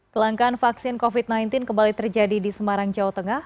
kelangkaan vaksin covid sembilan belas kembali terjadi di semarang jawa tengah